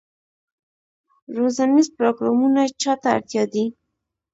روزنیز پروګرامونه چا ته اړتیا دي؟